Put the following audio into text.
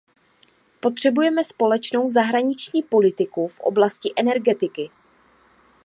Potřebujeme společnou zahraniční politiku v oblasti energetiky.